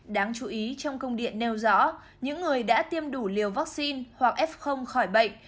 đáng chú ý trong công điện nêu rõ những người đã tiêm đủ liều vaccine hoặc f khỏi bệnh